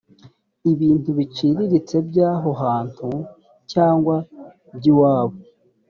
ibintu biciriritse by’aho hantu cyangwa by’iwabo